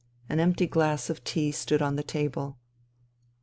An empty glass of tea stood on the table.